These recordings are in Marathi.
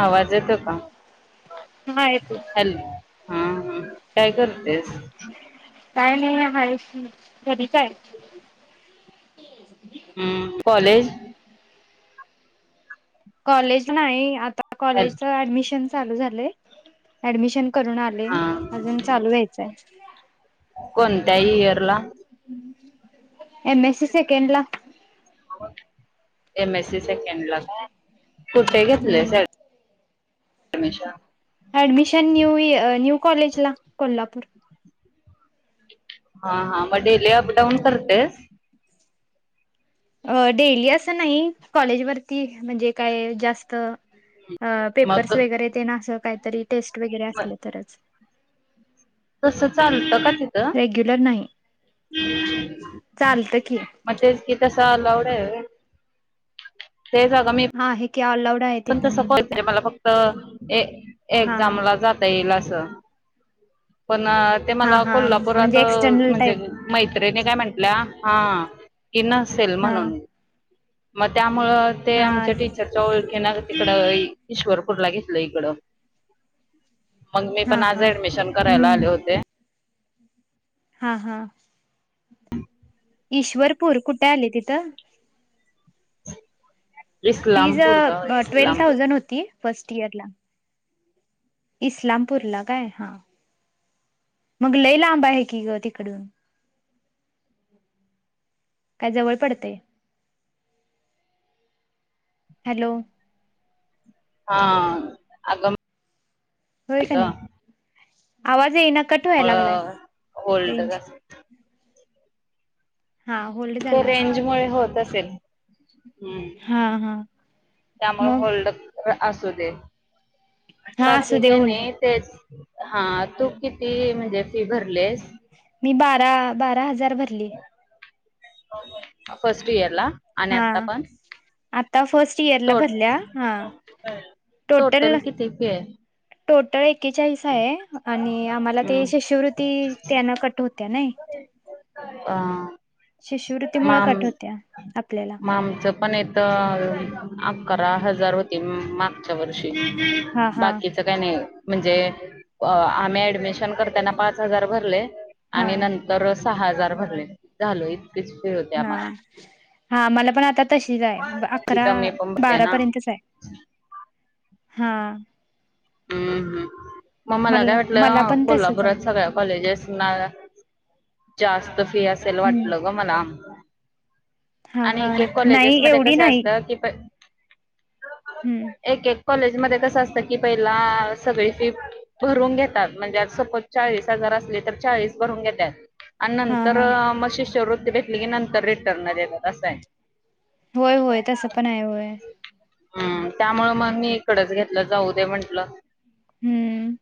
आवाज येतो का? हा येतो हॅलो. हम्म, हम्म काय करतेस. काय नाही आहे की, घरीच काय. हम्म, कॉलेज. कॉलेज नाही, आता हॅल कॉलेजच ऍडमिशन चालू झालंय. ऍडमिशन करून आलोय, हा अजून चालू व्हायचंय. कोणत्या इयर ला. एम-ए-सी सेकंड ला. एम-ए-सी सेकंडला काय, कुठे घेतलेस हम्म. Admission. ॲडमिशन न्यूय अ, न्यू कॉलेजला कोल्हापूर. हा-हा म डेली अप डाउन करतेस. अ डेली असं नाई, कॉलेजवरती म्हणजे काय जास्त. अ मग पेपर्स वगैरे तेन असं काय तरी टेस्ट वेगैरे म असलं तरच. तसं चालतं का तिथं. रेग्युलर नाही चालतं की म तेच की तसं अलाऊड आहे होय ते जागा मी हां हेके अलाउड. आहे पण तिथे तसं म्हणून [unintelligible] मला फक्त ए हा एक्जामला जात आता येईल अस, पण ते हा मला हा कोल्हापुरात म्हणजे एक्सटर्नल टाईप म्हणजे मैत्रिणी काय म्हंटल्या, हा कि नसेल हा म्हणून. मग त्यामुळं ते हा आमच्या टीचर च्या ओळखी येणार होती इकडे, ईश्वरपूरला घेतलंय इकडं. मग मी हा पण आज हा ॲडमिशन करायला आले हम्म होते. हां-हां ईश्वरपूर कुठे आले तिथं. फिज इस्लामपूर गाव अ ट्वेल इस्लामपूर थावजन होती. फस्ट ईयरला. इस्लामपूरला काय हां, मग लय लांब आहे की गं तिकडून. काय जवळ पडतंय. हॅलो. हां, आगंम होय कणी, आवाज येईना कट व्ह्याय लागलाय, मुळं होल्ड रेंज. ते हा, होल्ड झाला असे होय होत असेल. हम्म हां हां. त्यामुळे होल्ड [unintelligible] असुदे हा असू बाकी दे काय होल्ड नही तेच. हां तू किती म्हणजे फी भरलीस? मी बारा, बारा हजार भरली. फस्ट ईयरला आणि हा आता पण? आता फस्ट ईयरला टोट भरल्या हां, टोटल किती फी आहे? टोटल एकेचाळीस हाय आणि आम्हाला ती हम्म, शिशुवृत्ती त्यानं कट हुत्या नाई. आं शिष्यवृत्तीमुळे मामं कट होत्या आपल्याला मामंच पण येतं, आकरा हजार होत ति अं मागच्या वर्षी, हा हा बाकीचं काय नाय म्हणजे व आ आम्ही ऍडमिशन करताना पाच हजार भरले, हा आणि नं तर सहा हजार भरले, झालं इत [unintelligible] हां. हां मला पण आता तशी जाय आकारा तिचा मी पण भरते बारा ना पर्यंतचाय. हां. हम हम मला काय मला वाटलं, पण तसच आहे कोल्हापुरात सगळ्या कॉलेजसना चास्त फी असेल हम्म वाटल गं मला. हा आणि हा एक एक नाही कॉलेजेस मदी एवढी कसं नाही असतं कीं प हम्म एक एक कॉलेजमध्ये कसं असतं, की पयला सगळी फी भरुन घेतात, म्हणजे सपोज चाळीस हजार असले, तर चाळीस भरुन घेत्यात. अन् हा नंतर हा म शिशवृत्ती भेटल की, नंतर रिटर्न देत्यात असाय. होय होय तसं पण हाय होय. ह्म त्यामुळं मग मी इकडचं घेतलं, जाऊदे म्हटलं. हं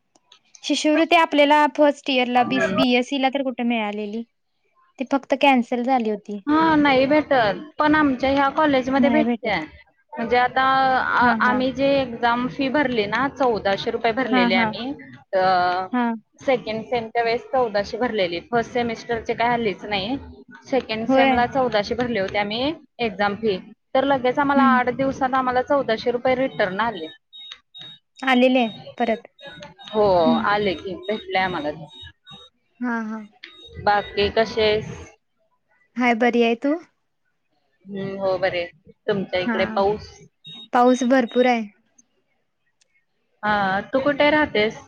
शिशुवृत्ती आपल्याला फस्ट ईयरला बीस बी. एस. ई ला तर कुट त मिळालेली, ती फक्त कॅन्सल झाली होत. हं नाई भेटत, पण आमच्या ह्या कॉलेजमध्ये नाही भेटत भेटत्या. म्हणजे आता हा हा आम्ही जे एक्झाम फी भरली ना, चौदाशे रुपये हा भरलेले हा आम्ही तं हा सेकेंड सेम च्या वेळेस चौदाशे भरलेली, फर्स्ट सेमिस्टरची काय आलेच नाही. सेकें कंड होय सेमलाचं चौदाशे भरले होते आम्ही एक्झाम फी, तर लगेच आम्हाला हम्म आठ दिवसात आम्हाला चौदाशे रुपये रिटर्न आले. आलेले आहे परत हो हम्म आले की, भेटलेय आम्हाला ते. हां हां. बाकी कशी येस? हाय बरी ये, तू? हं हो बरे, तुमच्या हा इकडे पाऊस? पाऊस भरपूराय. हां, तू कुठ राहतेस?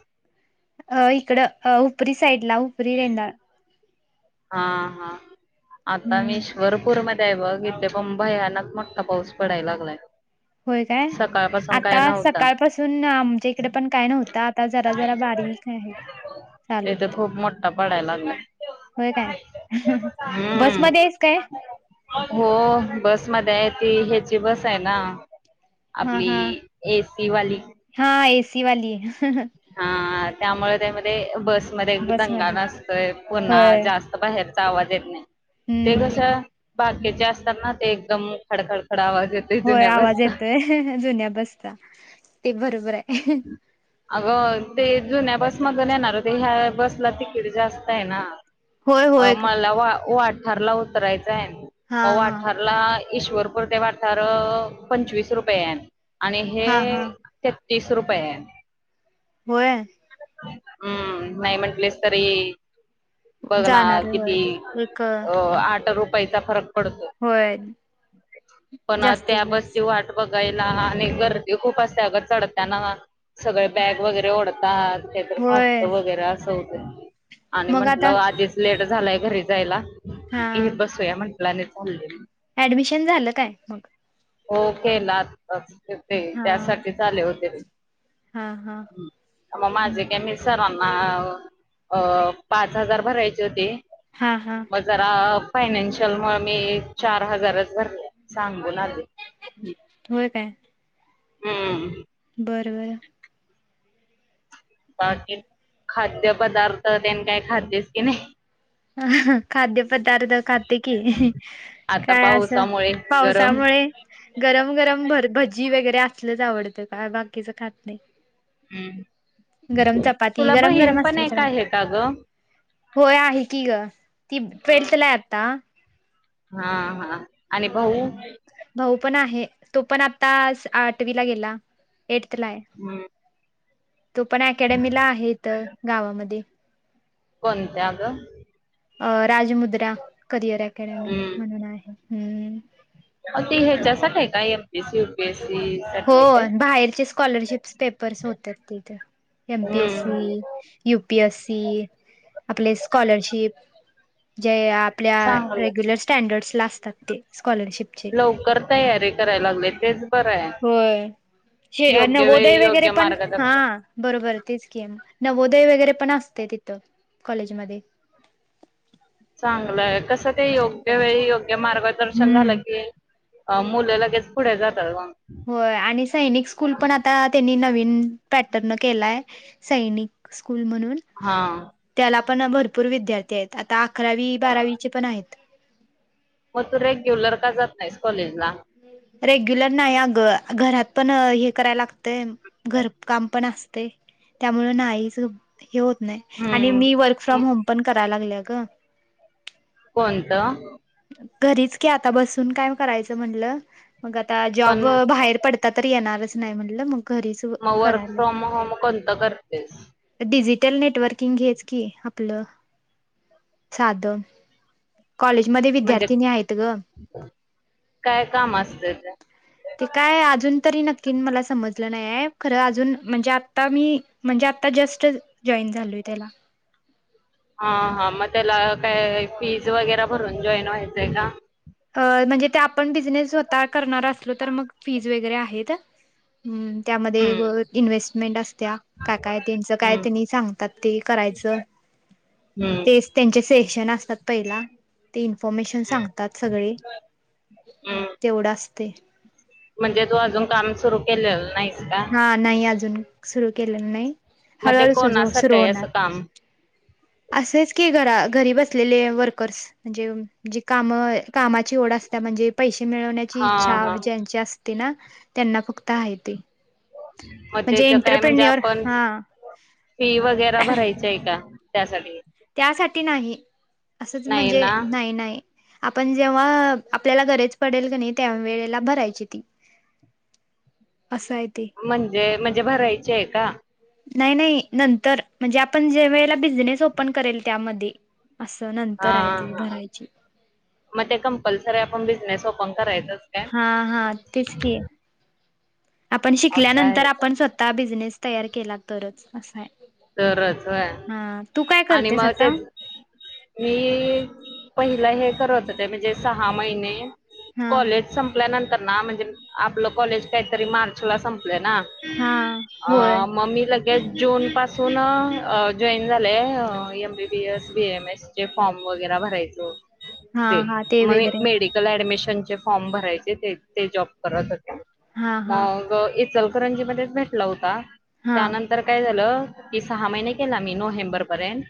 अ इकडं, अ ऊपरी साईडला, ऊपरी रेंदाळ हां हां आता मी हम्म इश्वरपूरमधे इथय बघ इथे पण भयानक मोठा पाऊस पडाय लागलाय. होय काय? सकाळपासून काय आता नव्हता सकाळपासून आमच्या इकडे पण काय नव्हता, आता जरा जरा बारीक आहे. चालू इथे खूप मोठा पडाय लागलाय. होय काय? हम्म बसमधे आहेस काय? हो बसमधे आहे ती, ह्याची बस हाय ना. आपली ए सी वाली. हां ए सी वाली हं हं. हां त्यामुळ त्यामधे बसमधे दंगा बसमध्ये नसतोय, पुन्हा होय जास् त, बाहेरचा आवाज येत नाही, ते हम्म कसं बाकीचे असतात ना, ते एकदम खडखडखड आवाज येत. होय आवाज येतोय, हं हं जुन्या बसचा ते बरोबर हाय. - [inaudible] अगं ते जुन्या बसमधून येणारं होते, ह्या बसला तिकीट जास्त य ना. होय होय अं मला वा-वाठारला उतरायचं आय, हा मग हा वाठार- ला ईश्वरपुर ते वाठारं पंचवीस रुपये ये आणि हे हा हा छत्तीस रुपये ये. होय- हम्म नाही म्हंटलेस तरी बघ ना जाणार आहे होय किती, एक अ आठरा रुपयाचा फरक पडतो, होय पण अ जास्तीत त्या बसची जास्त वाट बघायला आणि गर्दी खूप असत्या अगं चढ त्यांना ना, सगळे बॅग वगैरे ओढतातत, काही तरी होय फाटतं वगैरे असं होत आणि मग म्हटलं आता आधीच लेट झालय घरी जायला, हा हीचं बस घेऊया म्हटलं. [unintelligible] ऍडमिशन झालं काय मग? हो केलं आत्ताच, अ ते हा त्यासाठीच आले होते. हा हा अ म माझे काय मीच सरांना अ पाच हजार भरायचे होते. हां हां. मग जरा फायनान्शियल म्हणून मी चार हजारच भरले, सांगून आले. होय काय. हम्म. बरं बरं. बाकी खाद्य पदार्थ ते काय, खातेस की नाही? हं हं ह खाद्य पदार्थ खाते की. आता काय असं पावसामुळे गरम पावसामुळे गरम-गरम भर भजी वगैरे असलच आवडतं, का बाकीचं खात नाही. हम्, गरम चपाती तुला गरम बहीण गरम पण असलं एक तर आहे का ग? होय आहे की ग, ती ट्वेल्थ ला ये आता. हां हां आणि भाऊ? भाऊ पण आहे, तो पण आतास आठवी ला गेला, एटथ ला ये. ह्म. तो पण अकॅडमीला आहे, इथं गावामध्ये. कोणत्या गं? अ राजमुद्रा करिअर अकॅडमी, हम्म. म्हणून आहे हम्म. अ ती ह्याच्यासाठी काय M P S C, U P S C? हो साठी आहे काय? बाहेरचे स्कॉलरशिप्स पेपर्स होते तिथे. M, P, S, hmm C. U, P, S, C आपले स्कॉलरशिप जे, या आपल्या चांगलं. रेग्युलर स्टॅंडर्सला असतात ते स्कॉलरशीप लवकर तयारी करायला लागलोय तेच बरं आहे. होय, हे योग्य नवोदय वेळी वगैरे योग्य पण, हा मार्गदर्शन. बरोबर तेच की, नवोदय वगैरे पण असतय तिथं कॉलेजमध्ये. चांगलंय हाय, कसं ते योग्य वेळी योग्य मार्गदर्शन हम्म झालं की अ, मुलं लगेच पुढे जातात मग होय, आणि सैनिक स्कूल पण आता त्यांनी नवीन पॅटर्न न केलाय सैनिक स्कूल म्हणून. हा त्याला पण भरपूर विद्यार्थी आहेत, आता अकरावी, बारावीचे पण आहेत. मग तू रेग्युलर का जात नाहीस कॉलेजला? रेग्युलर नाही अग, घरात पण हे करायला लागतय. घरकाम पण असतय, त्यामुळे नाहीच हे होत आणि मी वर्क हम्म फ्रॉम होम पण कराय लागलय ग कोणतं? घरीच की आता, बसून काय करायचं म्हणलं मग आता जॉब पण बाहेर पडता तरी येणारच नाही म्हटलं मग. घरीच मग वर्क करायला. फ्रॉम होम कोणत करतेस? डिजिटल नेटवर्किंग हेच की आपलं साध कॉलेज मध्ये म्हणजे विद्यार्थिनी आहेत ग. काय काम असतंय ते? ते काय अजून तरी नक्की मला समजलं नाही हाय, खरं अजून म्हणजे आता मी म्हणजे आता जस्टच, जॉईन झालोय त्याला. हा, हा मग त्याला काय फीज वगैरे भरून जॉईन व्हायचंय का? अ, म्हणजे ते आपण बिझनेस स्वतः करणार असलो तर मग फीज वगैरे आहेत. हम्म, त्यामध्ये हम्म इन्व्हेस्टमेंट असत्या काय, काय त्यांचं काय हम्म त्यांनी सांगतात ते करायचं, हम्म तेच त्यांचे सेशन असतात पहिला ते इन्फॉर्मेशन सांगतात सगळे, हम्म तेवढं असतय. म्हणजे तू अजून काम सुरू केलेलं नाहीस का? हा नाही अजून सुरू केलेलं नाही, मग ते हळूहळू सु कोणासाठी सुरू आहे होणार. असं काम असेच की घरा, घरी बसलेले वर्कर्स म्हणजे जी काम, कामाची ओढ असतीया म्हणजे पैसे मिळ ची, हा इच्छा हा ज्यांची असते ना त्यांना फक्त आहे ते. म, म्हणजे त्येच काय म्हणजे एंटरप्रेन्युअर आपण हा फी वगैरे भरायची आहे का? त्यासाठी त्यासाठी नाही, असंच नाही म्हणजे ना नाही, नाही. आपण जेव्हा, आपल्याला गरच पडेल कनी तेंव्हा त्यावेेळेला भरायची ती. असाय ते. म्हणजे, म्हणजे भरायचेय का? नाही, नाही नंतर म्हणजे आपण जे वेळेला बिझनेस ओपन करेल त्यामध्ये असं नंतर हाय ते भरायची. म, ते कंपल्सरी आपण बिझनेस ओपन करायचंच काय? हा, हा तेच की आपण असं आहे शिकल्यानंतर का आपण स्व ता, बिझनेस तयार केला तरच असाय. तरच होय. आणि करतेस मग आता? तेच मी पहिला हे करत होते. म्हणजे सहा महिने हा कॉलेज संपल्यानंतर ना, म्हणजे आपलं कॉलेज काहीतरी मार्च ला संपलंय ना. हा अ होय म मी लगेच जून पास तो ना जॉईन झालंय. अ M B B S, B M S चे फॉर्म वगैरे भरायचं हो हा ते हा म वगैरे मेडि कल ऍडमिशन चे फॉम भरायचे ते जॉब करत होते. हा हा मग इचल करंजी मध्येच भेटला होता. हा त्यानंतर काय झालं की सहा महिने केला मी. नोव्हेंबर पर्यंत.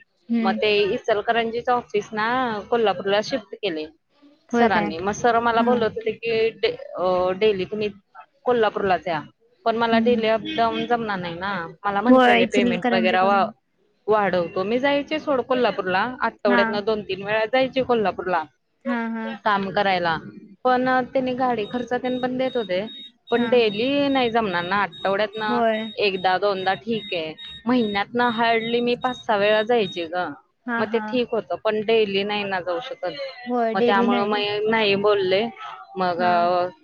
मग हम्म ते इलकरांजीच ऑफिस ना कोल्हापूरला शिफ्ट केले. होय काय सरांनी. मग सर मला हा बोलत होते. ते डे अ डेली तुम्ही कोल्हापूरलाच या. पण मला हम्म डेली अप डाऊन जमणार नाही ना. होय इलकरांजीकडून. वाढव मी जायचे सोड कोल्हापूरला. हा आठवड्यात दोन तीन वेळा जायचे कोल्हापूरला. हा हा काम करायला. पण त्यांनी गाडी खर्च त्येन पण देत होते. पण हा डेली नाही जमणार ना. आठवड्यात न होय एकदा दोनदा ठीके. महिन्यात ना हार्डली मी पाच सहा वेळा जायचे ग. हा म ते हा ठीक होत. पण डेली नाही ना जाऊ शकत. होय म डेली त्यामुळे नाही मी नाही बोलले. मग हा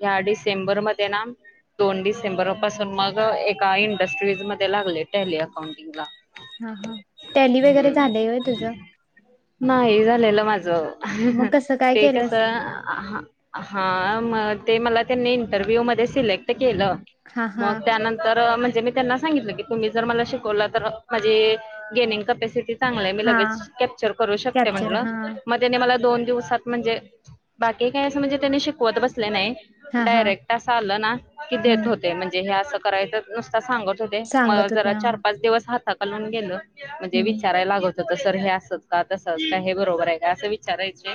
ह्या डिसेंबर मध्ये ना दोन डिसेंबर पासून मग एका इंडस्ट्रीज मध्ये लागले. टेली अकाउंटिंग ला. हा हा. टॅली वगैरे झालंय होय तुझं? नाही झालेलं माझं. मग कसं काय ते कस केलंस? हा म ते मला त्यांनी इंटरव्ह्यू मध्ये सिलेक्ट केलं. हा हा मग त्यानंतर, म्हणजे मी त्यांना सांगितलं की तुम्ही जर मला शीक वलतर माझी घेनेम कपॅसिटी चांगलंय. मी हा लगेच कॅप्चर करू शकते कॅप्चर म्हणल. हा म तेनी मला दोन दिवसात म्हणजे, बाकी काही अस म्हणजे त्यानी शिकवत बसले नाही. हा हा डायरेक्ट असं आलं ना की देत हम्म होते. म्हणजे हे असं करायचं नुसता सांगत होते. म सांगत जरा होत्या चार पाच दिवस हाताकलून गेल. म्हणजे हम्म विचाराय लागत त सर हे असच का? तसच का? हे बरोबर आहे का? असं विचारायचे.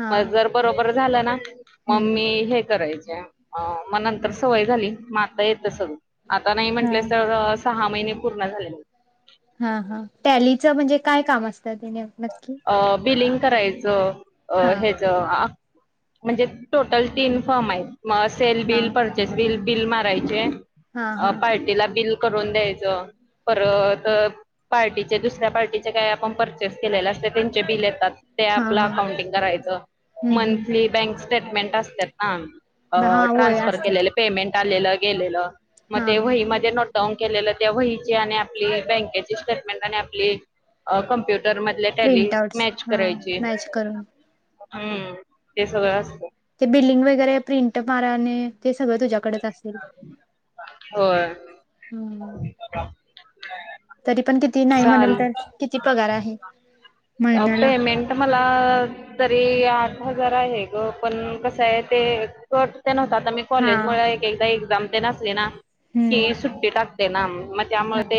हा मग जर बरोबर झालं ना. मग हम्म मी हे करायचे. अ म नंतर सवय झाली. म आता येत सगळ. आता नाही हा म्हंटलंस तर सहा महिने पूर्ण झाले. हा हा टॅलीचं म्हणजे काय काम असतंने नक्की? अ बिलिंग करायचं. अ हा हेच अ म्हणजे टोटल तीन फमय. सेल हा बी पर बिल बिल मारायचे. हा अ हा पार्टीला बिल करून द्यायच. परत पार्टीचे दुसऱ्या पार्टीचे काय आपण पर चेस केलेल असत. त्यांचे बिल येतात. ते हा आपला हा काउंटिंग करायचं. हम्म हम्म मंथली बँकस स्टेटमेंट असतात ना. अ हा होय ट्रान्सफर असतात केलेले. पेमेंट आलेल गेलेल. म हा ते हा वही मध्ये नोट डाऊन केलेलं. त्या वहीची आणि आपली बँकेची स्टेटमेंट आपली कमप्युटर मधले, टॅली प्रिंट आउट्स मॅच हा करायची. मॅच करून हम्म ते सगळं असत. ते बिल्डिंग वगैरे प्रिंट माराणे ते सगळं तुझ्याकडेच असेल होय हम् तरी पण किती नाही चाल म्हणेल तर किती पगार आहे महिन्याला तर मला तरी आठ हजार आहे ग पण कस आहे ते कट तेन होतात आणि हा कॉलेजमुळे एके एकदा एक्झाम ते असले ना हम्म की सुट्टी टाकते ना मग त्यामुळे ते